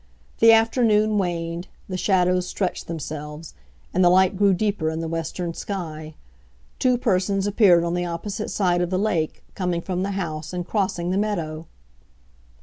The afternoon waned; the shadows stretched themselves; and the light grew deeper in the western sky. Two persons appeared on the opposite side of the lake, coming from the house and crossing the meadow.